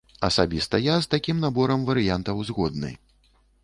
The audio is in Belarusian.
Асабіста я з такім наборам варыянтаў згодны.